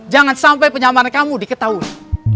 jangan sampai penyamanan kamu diketahui